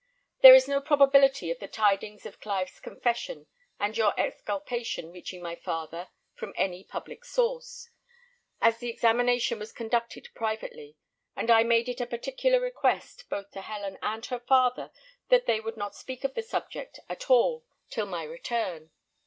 There is no probability of the tidings of Clive's confession and your exculpation reaching my father from any public source, as the examination was conducted privately; and I made it a particular request, both to Helen and her father, that they would not speak of the subject at all till my return.